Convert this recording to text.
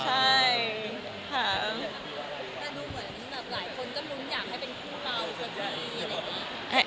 หลายคนจะรู้อยากให้เป็นคู่เราสักที